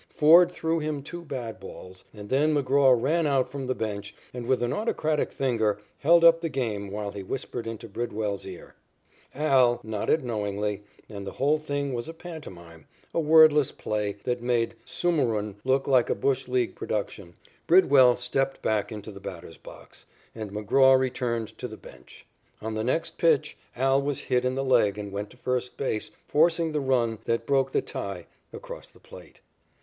Ford threw him two bad balls, and then McGraw ran out from the bench, and, with an autocratic finger, held up the game while he whispered into Bridwell's ear. "Al" nodded knowingly, and the whole thing was a pantomime, a wordless play, that made Sumurun look like a bush league production. Bridwell stepped back into the batter's box, and McGraw returned to the bench. On the next pitch, "Al" was hit in the leg and went to first base, forcing the run that broke the tie across the plate.